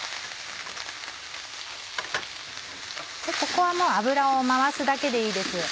ここはもう油を回すだけでいいです。